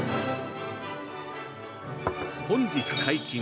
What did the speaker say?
「本日解禁！